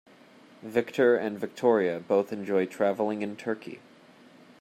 Victor and Victoria both enjoy traveling in Turkey.